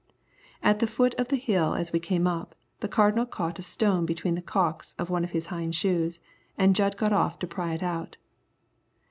At the foot of the hill as we came up, the Cardinal caught a stone between the calks of one of his hind shoes, and Jud got off to pry it out.